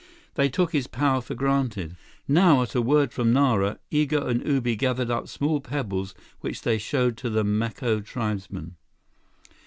They took his power for granted. Now, at a word from Nara, Igo and Ubi gathered up small pebbles which they showed to the Maco tribesmen.